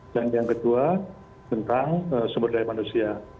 dan yang kedua tentang sumber daya manusia